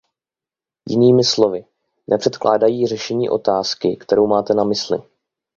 Jinými slovy, nepředkládají řešení otázky, kterou máte na mysli.